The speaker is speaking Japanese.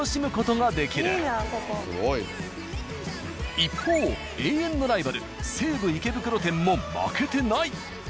一方永遠のライバル西武池袋店も負けてない。